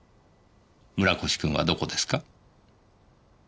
村越君はどこですか？